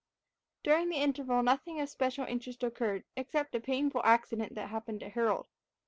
During the interval nothing of special interest occurred, except a painful accident that happened to Harold.